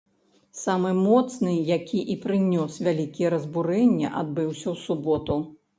Самы моцны, які і прынёс вялікія разбурэнні, адбыўся ў суботу.